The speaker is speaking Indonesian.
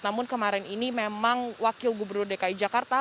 namun kemarin ini memang wakil gubernur dki jakarta